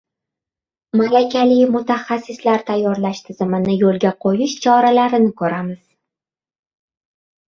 Malakali mutaxassislar tayyorlash tizimini yo‘lga qo‘yish choralarini ko‘ramiz.